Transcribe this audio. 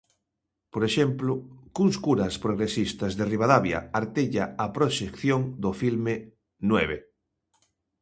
Por exemplo, cuns curas progresistas de Ribadavia, artella a proxección do filme "Nueve".